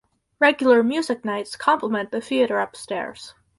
Regular music nights complement the theatre upstairs.